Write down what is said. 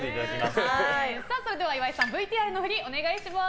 それでは岩井さんＶＴＲの振りお願いします。